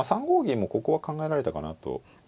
３五銀もここは考えられたかなと。